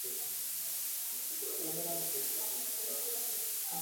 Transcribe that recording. ijulikanayo kwa lugha za kimsimu kama dabbingUtumizi wa